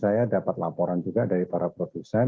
saya dapat laporan juga dari para produsen